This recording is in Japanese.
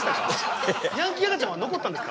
ヤンキー赤ちゃんは残ったんですか？